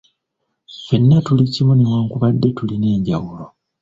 Ffenna tuli kimu newankubadde tulina enjawulo